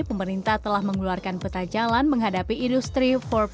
pemerintah telah mengeluarkan peta jalan menghadapi industri empat